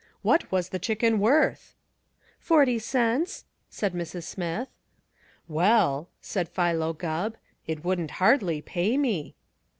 "What was the chicken worth?" "Forty cents," said Mrs. Smith. "Well," said Philo Gubb, "it wouldn't hardly pay me."